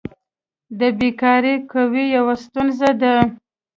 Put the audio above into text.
د بیکاري قوي یوه ستونزه ده.